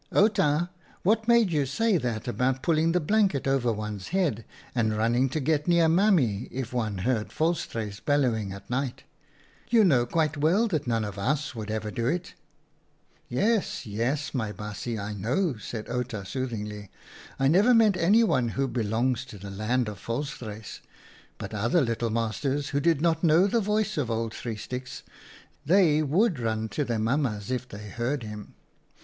" Outa, what made you say that about pull ing the blankets over one's head and running to get near Mammie if one heard Volstruis bellowing at night? You know quite well that none of us would ever do it." 4 o OUTA KAREL'S STORIES " Yes, yes, my baasje, I know," said Outa, soothingly. " I never meant anyone who belongs to the land of Volstruise. But other little masters, who did not know the voice of old Three Sticks — they would run to their mam mas if they heard him."